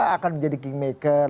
akan menjadi kingmaker